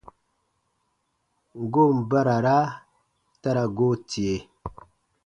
Goon barara ta ra goo tie.